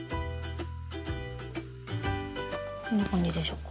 こんな感じでしょうか。